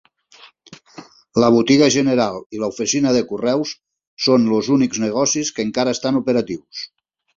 La botiga general i l'oficina de correus són els únics negocis que encara estan operatius.